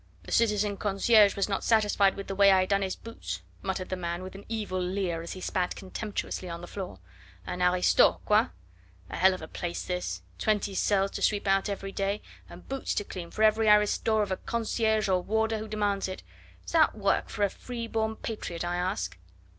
"The citizen concierge was not satisfied with the way I had done his boots," muttered the man, with an evil leer as he spat contemptuously on the floor; "an aristo, quoi? A hell of a place this... twenty cells to sweep out every day... and boots to clean for every aristo of a concierge or warder who demands it.... Is that work for a free born patriot, I ask?"